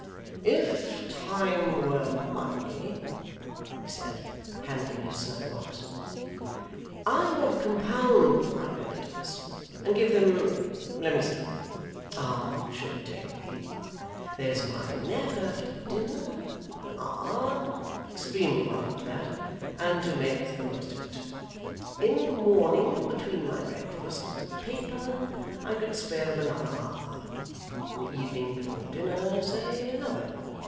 'If time were money,' he said, handling his snuff box, 'I would compound with my creditors, and give them let me see how much a day? There's my nap after dinner an hour they're extremely welcome to that, and to make the most of it. In the morning, between my breakfast and the paper, I could spare them another hour; in the evening before dinner say another.